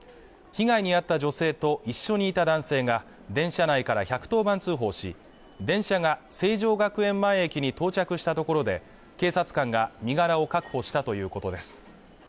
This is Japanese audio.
被害に遭った女性と一緒にいた男性が電車内から１１０番通報し電車が成城学園前駅に到着したところで警察官が身柄を確保したということです